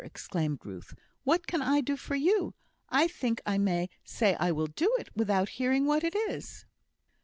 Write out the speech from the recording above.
exclaimed Ruth; "what can I do for you? I think I may say I will do it, without hearing what it is."